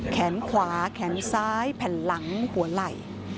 แขนขวาแขนซ้ายแผ่นหลังหัวไหล่